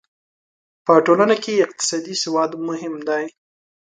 په ټولنه کې اقتصادي سواد مهم دی.